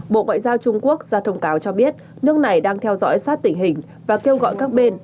bộ ngoại giao trung quốc ra thông cáo cho biết nước này đang theo dõi sát tình hình và kêu gọi các bên